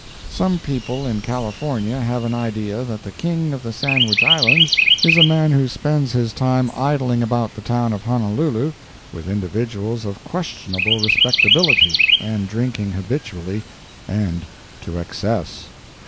Some people in California have an idea that the King of the Sandwich Islands is a man who spends his time idling about the town of Honolulu with individuals of questionable respectability, and drinking habitually and to excess.